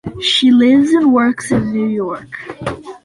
She lives and works in New York.